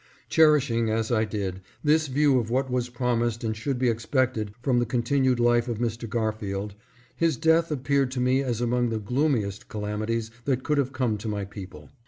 Cherishing, as I did, this view of what was promised and should be expected from the continued life of Mr. Garfield, his death appeared to me as among the gloomiest calamities that could have come to my people.